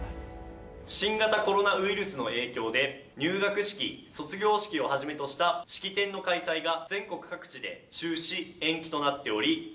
新型コロナウイルスの影響で入学式卒業式をはじめとした式典の開催が全国各地で中止延期となっており花の需要が減少しております。